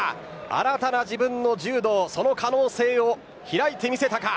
新たな自分の柔道、その可能性を開いて見せたか。